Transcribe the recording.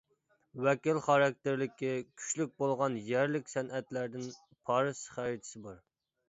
ۋەكىل خاراكتېرلىكى كۈچلۈك بولغان يەرلىك سەنئەتلەردىن پارس خەرىتىسى بار.